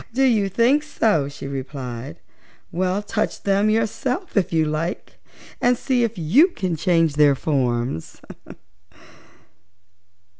"Oh, do you think so?" she replied. "Well, touch them yourself, if you like, and see if you can change their forms."